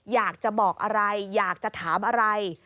อยากจะบอกอะไรอยากจะถามอะไร